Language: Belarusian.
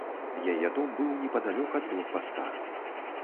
Яе дом быў непадалёк ад блокпаста.